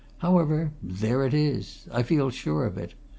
However, there it is! I feel sure of it.